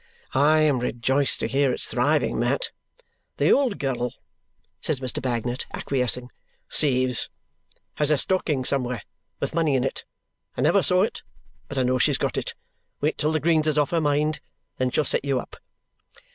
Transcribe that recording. "I am rejoiced to hear it's thriving, Mat." "The old girl," says Mr. Bagnet, acquiescing, "saves. Has a stocking somewhere. With money in it. I never saw it. But I know she's got it. Wait till the greens is off her mind. Then she'll set you up."